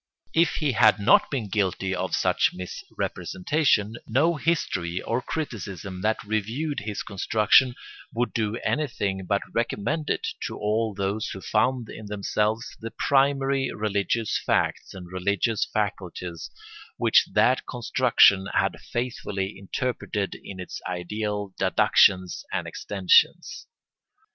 If he had not been guilty of such misrepresentation, no history or criticism that reviewed his construction would do anything but recommend it to all those who found in themselves the primary religious facts and religious faculties which that construction had faithfully interpreted in its ideal deductions and extensions.